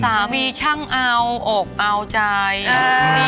สามีช่างเอาอกเอาใจ